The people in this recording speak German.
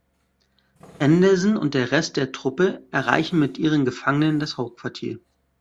Anderson und der Rest der Truppe erreichen mit ihren Gefangenen das Hauptquartier.